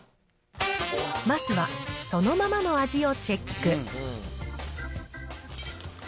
まずは、そのままの味をチェック。